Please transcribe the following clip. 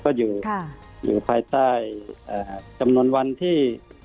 ก็อยู่ภายใต้จำนวนวันที่